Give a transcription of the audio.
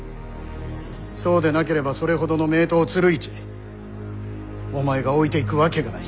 そうでなければそれほどの名刀を鶴市お前が置いていくわけがない。